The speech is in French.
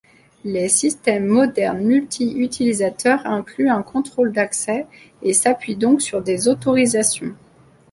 Les systèmes modernes, multi-utilisateurs incluent un contrôle d'accès et s'appuie donc sur des autorisations.